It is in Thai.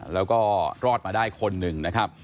แล้วก็รอดมาได้คนหนึ่งนะครับ